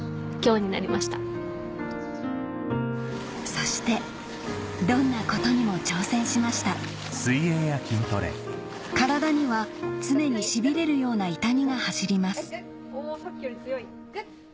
そしてどんなことにも挑戦しました体には常にしびれるような痛みが走ります・さっきより強いグッ！